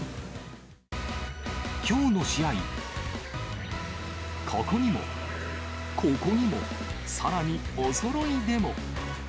きょうの試合、ここにも、ここにも、さらにおそろいでも。